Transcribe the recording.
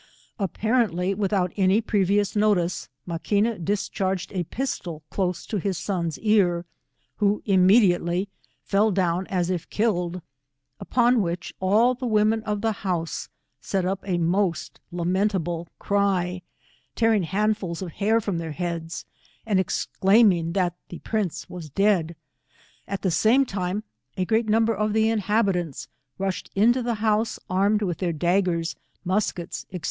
Apparently without any previous notice, Maquina discharged a pistol close to bis son's ear, who im mediately fell down as if killed, upon which all the women of the house set up a most lamentable cry, tearing bandfals of hair from their heads, and ex claiming that the prince was dead, at the same time a great number of the inhabitants, rushed into the house armed with their daggers, muskets, &c.